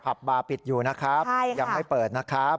บาร์ปิดอยู่นะครับยังไม่เปิดนะครับ